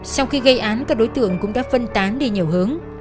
sau khi gây án các đối tượng cũng đã phân tán đi nhiều hướng